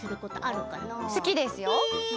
好きですよ。